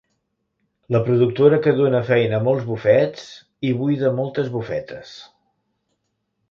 La productora que dóna feina a molts bufets i buida moltes bufetes.